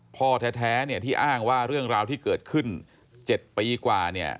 พ่อแท้เนี่ยที่อ้างว่าเรื่องราวที่เกิดขึ้น๗ปีกว่าเนี่ย